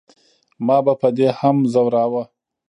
ما به په دې هم زوراوه.